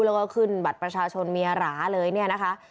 แล้วก็ขึ้นบัตรประชาชนเมียหราเลยเนี่ยนะคะ